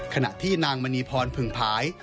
ขณะที่นางมณีพรผึ่งผาย